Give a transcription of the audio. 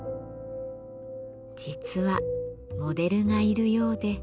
実はモデルがいるようで。